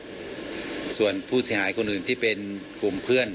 หากผู้ต้องหารายใดเป็นผู้กระทำจะแจ้งข้อหาเพื่อสรุปสำนวนต่อพนักงานอายการจังหวัดกรสินต่อไป